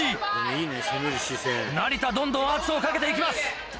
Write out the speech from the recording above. どんどん圧をかけていきます。